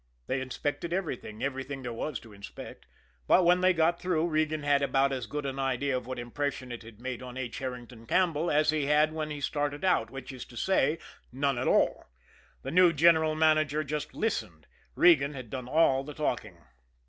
They inspected everything, everything there was to inspect; but when they got through Regan had about as good an idea of what impression it had made on H. Herrington Campbell as he had when he started out, which is to say none at all. The new general manager just listened. Regan had done all the talking.